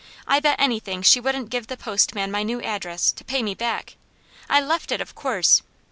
I bet anything she wouldn't give the postman my new address, to pay me back. I left it, of course.